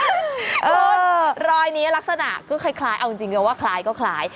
คุณรอยนี้ลักษณะก็คล้ายเอาจริงก็ว่าคล้ายก็คล้าย